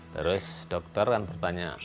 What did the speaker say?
terus dokter bertanya